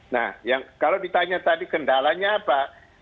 nah yang kalau ditanya tadi kendalanya apa